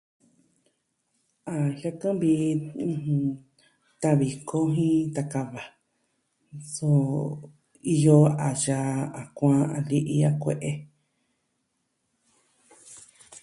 A jiaka lii, ɨjɨn... ta'vi koo jin taka va. So iyo a yaa, a kuaan, a li'i, a kue'e.